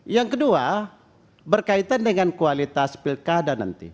yang kedua berkaitan dengan kualitas pilkada nanti